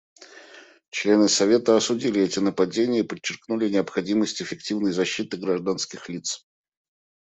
Члены Совета осудили эти нападения и подчеркнули необходимость эффективной защиты гражданских лиц.